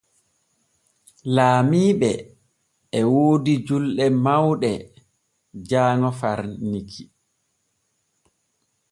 Laamiiɓe e woodi julɗe mawɗe jaaŋo far Niki.